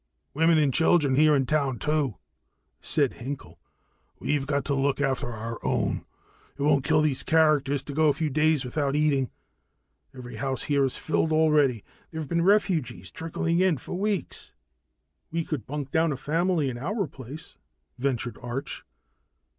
"Women and children here in town too," said Hinkel. "We've got to look after our own. It won't kill these characters to go a few days without eating. Every house here is filled already there've been refugees trickling in for weeks." "We could bunk down a family in our place," ventured Arch.